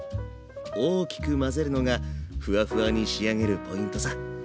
大きく混ぜるのがフワフワに仕上げるポイントさ。